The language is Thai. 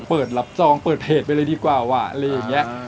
เปิดรับจองเปิดเพจไปเลยดีกว่าว่ะอะไรอย่างนี้